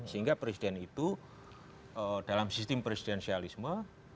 sehingga presiden itu dalam sistem presidensialisme